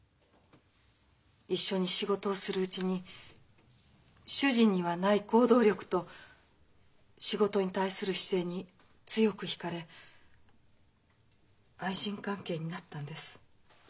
一緒に仕事をするうちに主人にはない行動力と仕事に対する姿勢に強く引かれ愛人関係になったんです。